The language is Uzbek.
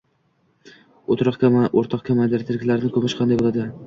— Urtoq komandir, tiriklarni ko‘mish qanday bo‘ladi?